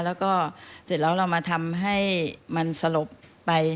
แล้วก็เสร็จแล้วเรามาทำให้มันสลบไป